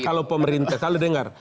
kalau pemerintah kalau dengar